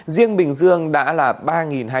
riêng bình dương đã là ba hai trăm một mươi ca